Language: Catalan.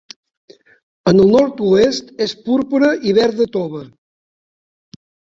En el nord-oest és púrpura i verda tova.